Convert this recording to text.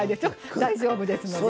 大丈夫ですのでね。